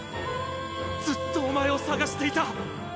ずっとおまえを探していた！